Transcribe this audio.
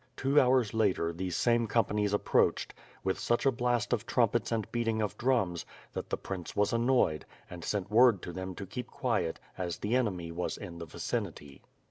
Two hours later, these same companies approached, with such a blast of trumpets and beating of drums, that the prince was annoyed, and sent word to them to keep quiet, as the enemy was in the vicinity.